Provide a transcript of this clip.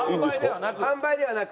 販売ではなく。